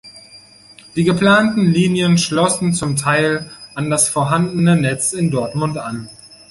Die geplanten Linien schlossen zum Teil an das vorhandene Netz in Dortmund an.